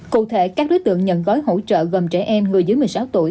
cụ thể các đối tượng nhận gói hỗ trợ gồm trẻ em người dưới một mươi sáu tuổi